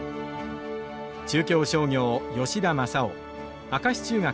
中京商業吉田正男明石中学